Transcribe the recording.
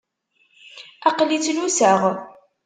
Aql-i ttluseɣ.